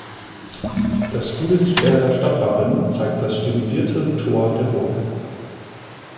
Das Gudensberger Stadtwappen zeigt das stilisierte Tor der Burg.